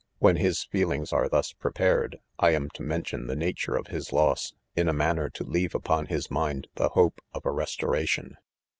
When his ifeelings are_; thus prepared, I am to mention the nature of Msfloss,' in" a ■ manner to leave; wpon his mind the hope of a restoration.